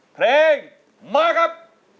เพลงมาครับ